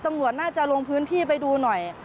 ตำรวจน่าจะลงพื้นที่ไปดูหน่อย